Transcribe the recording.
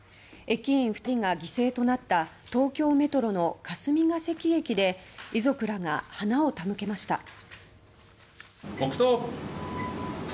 駅員２人が犠牲となった東京メトロの霞ケ関駅で遺族らが花を手向けました。